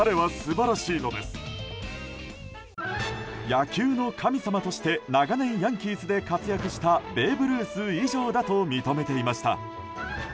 野球の神様として長年ヤンキースで活躍したベーブ・ルース以上だと認めていました。